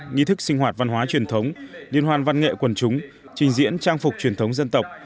nghi thức sinh hoạt văn hóa truyền thống liên hoan văn nghệ quần chúng trình diễn trang phục truyền thống dân tộc